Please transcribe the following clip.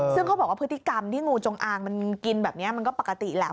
ซึ่งเขาบอกว่าพฤติกรรมที่งูจงอางมันกินแบบนี้มันก็ปกติแหละ